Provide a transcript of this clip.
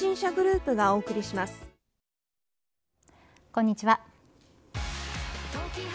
こんにちは。